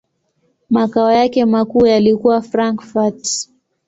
Makao yake makuu yalikuwa Frankfurt.